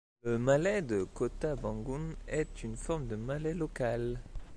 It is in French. Le malais de Kota Bangun est une forme de malais local.